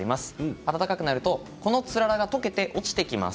暖かくなると、つららが溶けて落ちてきます。